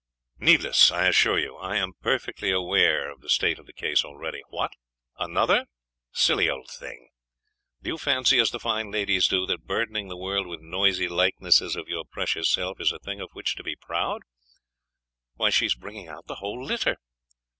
'Needless, I assure you. I am perfectly aware of the state of the case already. What! another? Silly old thing! do you fancy, as the fine ladies do, that burdening the world with noisy likenesses of your precious self, is a thing of which to be proud? Why, she's bringing out the whole litter!....